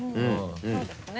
そうですね。